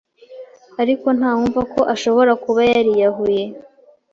ariko nta wumva ko ashobora kuba yariyahuye.